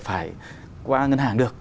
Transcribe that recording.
phải qua ngân hàng được